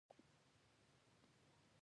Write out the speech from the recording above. الله یو دی، شریک نه لري.